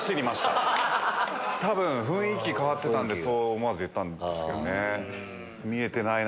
雰囲気変わってたんでそう思わず言ったんですけどね。